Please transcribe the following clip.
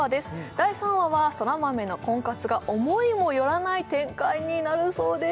第３話は空豆の婚活が思いもよらない展開になるそうです